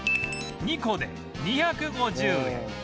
２個で２５０円